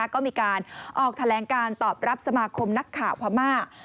ก็มีการออกแถลงการตอบรับสมาคมนักข่าวพม่า